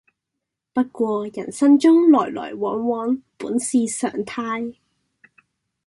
不過人生中來來往往本是常態